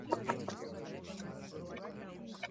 მდებარეობს ჯავახეთის ქედის აღმოსავლეთ კალთზე.